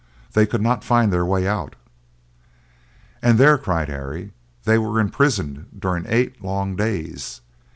"They could not find their way out." "And there," cried Harry, "they were imprisoned during eight long days!